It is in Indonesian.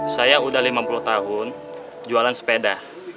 saya udah lima puluh tahun jualan sepeda